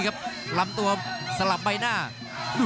รับทราบบรรดาศักดิ์